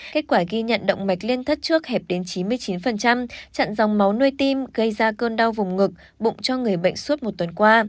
kết quả ghi nhận động mạch liên thất trước hẹp đến chín mươi chín chặn dòng máu nuôi tim gây ra cơn đau vùng ngực bụng cho người bệnh suốt một tuần qua